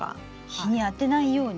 日にあてないように。